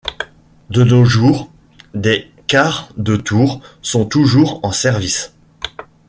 De nos jours, des Quart de tour sont toujours en service.